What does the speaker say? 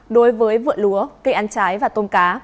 đối với vựa lúa cây ăn trái và tôm cá